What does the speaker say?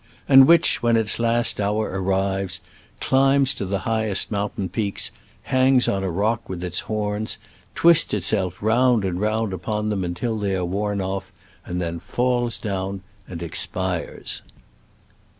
and which, when its last hour arrives, "climbs to the highest mountain peaks, hangs on a rock with its horns, twists itself round and round upon them until they are worn off, and then falls down and expires"!!